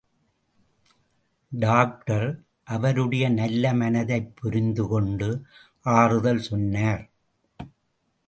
Doctor அவருடைய நல்ல மனதைப் புரிந்து கொண்டு ஆறுதல் சொன்னார்.